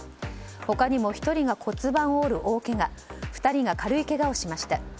他にも１人が骨盤を折る大けが２人が軽いけがをしました。